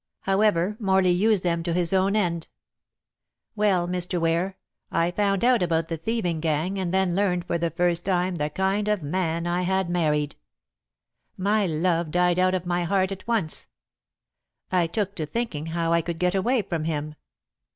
However, Morley used them to his own end. Well, Mr. Ware, I found out about the thieving gang, and then learned for the first time the kind of man I had married. My love died out of my heart at once. I took to thinking how I could get away from him.